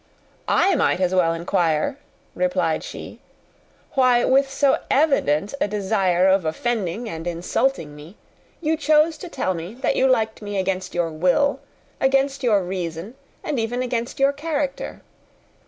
"I might as well inquire," replied she, "why, with so evident a design of offending and insulting me, you chose to tell me that you liked me against your will, against your reason, and even against your character?